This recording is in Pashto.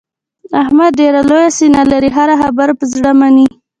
احمد ډېره لویه سینه لري. هره خبره په زړه مني.